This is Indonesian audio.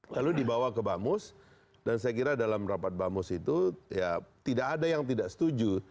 lalu dibawa ke bamus dan saya kira dalam rapat bamus itu ya tidak ada yang tidak setuju